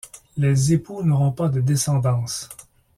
Les époux n'auront pas de descendance.